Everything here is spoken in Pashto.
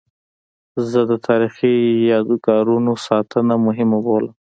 زه د تاریخي یادګارونو ساتنه مهمه بولم.